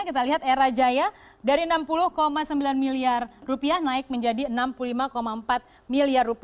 kita lihat era jaya dari rp enam puluh sembilan miliar naik menjadi rp enam puluh lima empat miliar